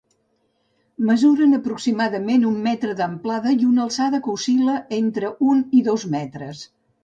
Mesuren aproximadament un metre d'amplada, i una alçada que oscil·la entre un i dos metres.